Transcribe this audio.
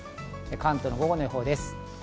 関東の午後の予報です。